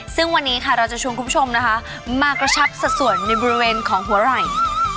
ซึ่งวันนี้ค่ะเราจะชวนคุณผู้ชมนะคะมากระชับสัดส่วนในบริเวณของหัวไหล่